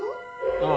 ああ！